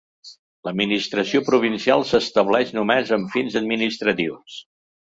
L'administració provincial s'estableix només amb fins administratius.